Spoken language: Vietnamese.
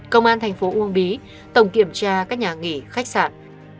công an tp uông bí tổng kiểm tra nhà nghỉ khách sạn